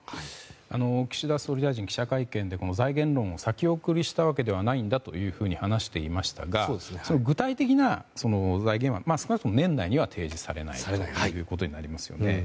岸田総理大臣、記者会見で財源論を先送りしたわけではないんだと話していましたがその具体的な案は年内には提示されないということになりますよね。